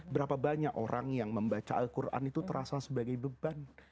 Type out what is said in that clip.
berapa banyak orang yang membaca al quran itu terasa sebagai beban